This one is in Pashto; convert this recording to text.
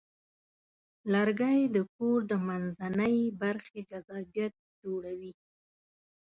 لرګی د کور د منځنۍ برخې جذابیت جوړوي.